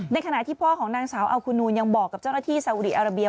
ขณะที่พ่อของนางสาวอัลคูนูนยังบอกกับเจ้าหน้าที่สาวอุดีอาราเบีย